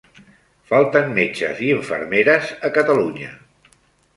Falten metges i infermeres a Catalunya.